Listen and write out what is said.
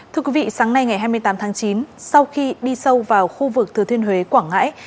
thưa quý vị sáng nay ngày hai mươi tám tháng chín sau khi đi sâu vào khu vực thừa thiên huế quảng ngãi